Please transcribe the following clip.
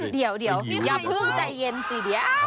เดี๋ยวอย่าพึ่งใจเย็นสิ